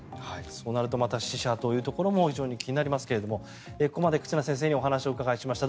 そうなるとまた死者というところも非常に気になりますがここまで忽那先生にお話をお伺いしました。